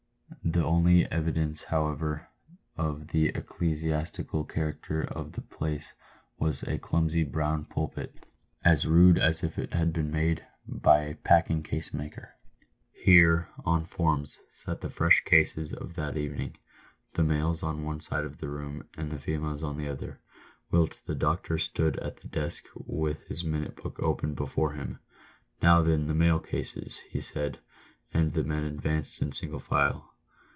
The only evidence, however, of the ecclesiastical character of the place was a clumsy brown pulpit, as rude as if it had been made by a packing case maker. Here, on forms, sat the fresh cases of that evening, the males on one side of the room and the females on the other, whilst the doctor stood at the desk with his minute book open before him. " Now then, the male cases," he said ; and the men advanced in single file.